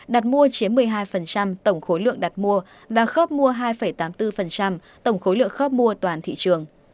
đặt mua chiếm một mươi hai tổng khối lượng đặt mua và khớp mua hai tám mươi bốn tổng khối lượng khớp mua toàn thị trường